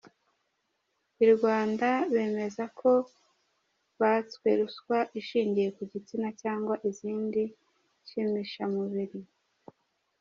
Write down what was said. I Rwanda bemeza ko batswe ruswa ishingiye ku gitsina cyangwa izindi nshimishamubri.